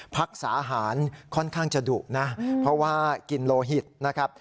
รักษาอาหารค่อนข้างจะดุนะเพราะว่ากินโลหิตนะครับ